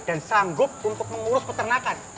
dan sanggup untuk mengurus peternakan